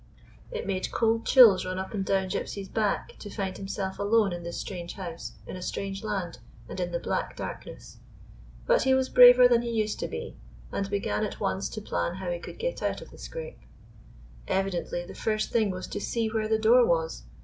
J5* GYPSY, THE TALKING DOG It made cold cliills run up and down Gypsy's back to find himself alone in this strange house, in a strange land, and in the black darkness. But he was braver than he used to be, and began at once to plan how he could get out of the scrape. Evidently the first thing was to see where the door was.